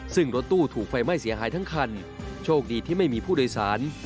ซึ่งรถตู้ถูกไฟไหม้เสียหายทั้งคันโชคดีที่ไม่มีผู้โดยสาร